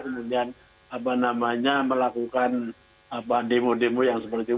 kemudian melakukan demo demo yang seperti itu